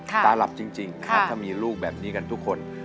ตาหลับจริงถ้ามีลูกแบบนี้กันทุกคน